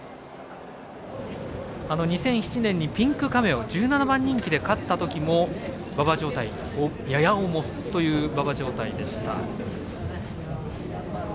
２００７年にピンクカメオ１７番人気で勝ったときも馬場状態、やや重という馬場状態でした。